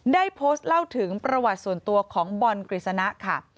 ได้โพสต์เล่าถึงประวัติส่วนตัวของบอลกฤษณะค่ะ